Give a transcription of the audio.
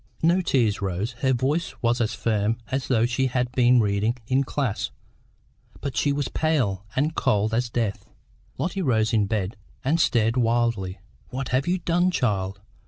No tears rose; her voice was as firm as though she had been reading in class; but she was pale and cold as death. Lotty rose in bed and stared wildly. "What have you done, child?